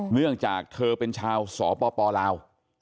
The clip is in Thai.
เนื่องจากเธอเป็นชาวสปลาว